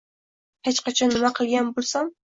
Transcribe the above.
Hech qachon nima qilgan bo'lsam.